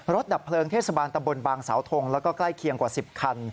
ดับเพลิงเทศบาลตำบลบางสาวทงแล้วก็ใกล้เคียงกว่า๑๐คัน